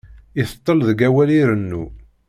Itettel deg awal irennu.